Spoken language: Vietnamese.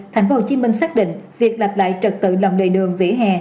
tp hcm xác định việc lập lại trật tự lòng đầy đường vỉa hè